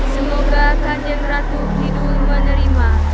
semoga kajeng ratu hidup menerima